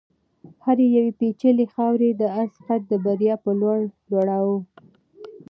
هرې یوې بیلچې خاورې د آس قد د بریا په لور لوړاوه.